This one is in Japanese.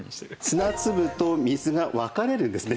砂粒と水が分かれるんですね。